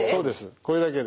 これだけで？